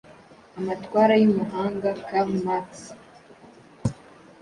amatwara y’umuhanga karl marx,